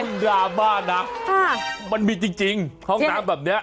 น่าบ้านะมันมีจริงห้องน้ำแบบเนี้ย